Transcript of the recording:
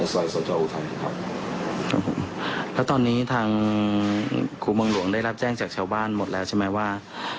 ซอยสจอุทัยครับครับผมแล้วตอนนี้ทางครูเมืองหลวงได้รับแจ้งจากชาวบ้านหมดแล้วใช่ไหมว่า